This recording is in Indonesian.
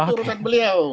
itu urusan beliau